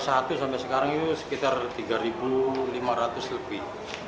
sampai sekarang itu sekitar tiga lima ratus lebih